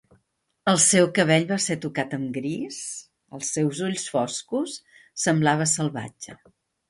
El seu cabell va ser tocat amb gris, els seus ulls foscos semblava salvatge.